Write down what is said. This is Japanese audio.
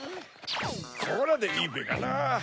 ここらでいいべかな？